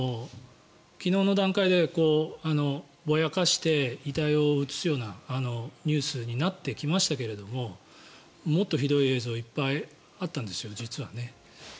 昨日の段階でぼやかして遺体を映すようなニュースになってきましたがもっとひどい映像がいっぱいあったんです、実は。